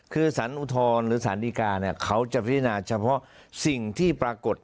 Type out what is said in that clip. คือสารอุทธรณ์หรือสารดีกาเนี่ยเขาจะพิจารณาเฉพาะสิ่งที่ปรากฏ